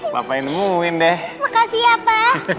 bapak ini mungkin deh makasih apa